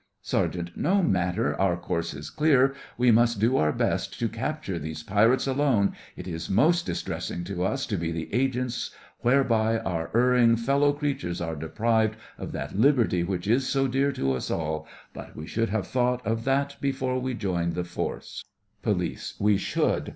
SERGEANT: No matter. Our course is clear: we must do our best to capture these pirates alone. It is most distressing to us to be the agents whereby our erring fellow creatures are deprived of that liberty which is so dear to us all— but we should have thought of that before we joined the force. POLICE: We should!